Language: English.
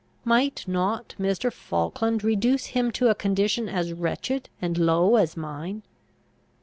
Might not Mr. Falkland reduce him to a condition as wretched and low as mine?